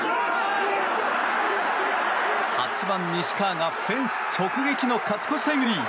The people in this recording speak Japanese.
８番、西川がフェンス直撃の勝ち越しタイムリー。